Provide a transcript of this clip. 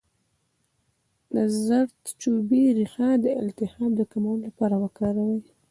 د زردچوبې ریښه د التهاب د کمولو لپاره وکاروئ